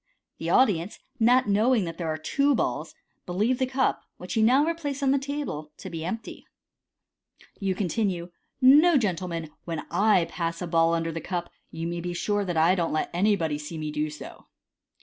The audience, not knowing that there are two balls, believe the cup, which you now replace on the table, to be empty. You continue, " No, gentlemen ; when I pass a ball under a cup, you may be sure that I don't let anybody see me do so."